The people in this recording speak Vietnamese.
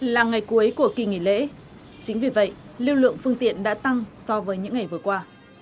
là ngày cuối của kỳ nghỉ lễ chính vì vậy lưu lượng phương tiện đã tăng so với những ngày vừa qua